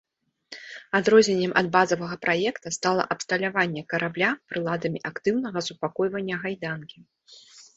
Адрозненнем ад базавага праекта стала абсталяванне карабля прыладамі актыўнага супакойвання гайданкі.